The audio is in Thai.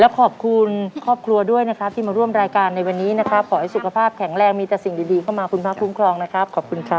ขอบคุณครอบครัวด้วยนะครับที่มาร่วมรายการในวันนี้นะครับขอให้สุขภาพแข็งแรงมีแต่สิ่งดีเข้ามาคุณพระคุ้มครองนะครับขอบคุณครับ